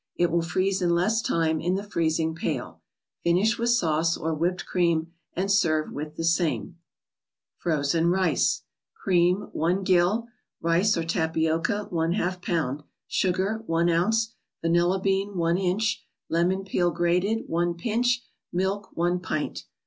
It will freeze in less time in the freezing pail. Finish with sauce, or whipped cream, and serve with the same. $ ro?tn Kite. Cream, 1 gill; Rice, or tapioca, #lb.; Sugar, 1 oz.; Vanilla bean, 1 inch; Lemon peel grated, 1 pinch; Milk, 1 pint.